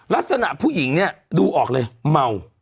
ลักษณะผู้หญิงเนี่ยดูออกเลยเมา